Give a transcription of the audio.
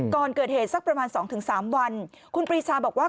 ก่อนเกิดเหตุสักประมาณ๒๓วันคุณปรีชาบอกว่า